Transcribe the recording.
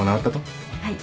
はい。